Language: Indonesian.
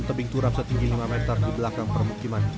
tebing turap setinggi lima meter di belakang permukiman